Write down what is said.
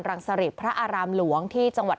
รังสริตพระอารามหลวงที่จังหวัด